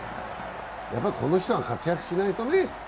やはりこの人が活躍しないとね。